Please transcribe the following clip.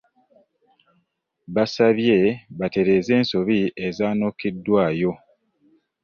Yabasabye batereze ensobi ezaanokiddwaayo.